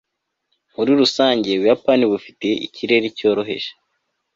muri rusange, ubuyapani bufite ikirere cyoroheje